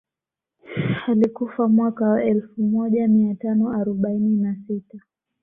Alikufa mwaka wa elfu moja mia tano arobaini na sita